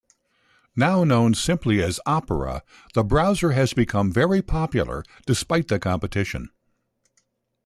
Now known simply as Opera, the browser has become very popular despite the competition.